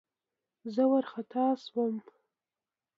زه وارخطا شوم.